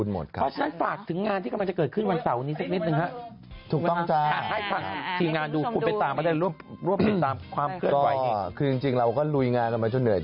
จำนวนจำกัดด้วยเอ้าไปดูเองคุณโดมไม่หักอะไรเลย